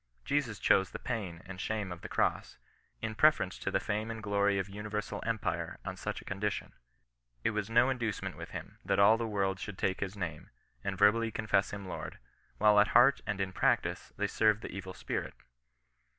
Jesus chose the pain and shame of the cross, in preference to the fame and glory of universal empire on such a condition. It was no inducement with him, that all the world should take his name, and verbally confess him Lord, while at heart and in practice they served the evil spi rit.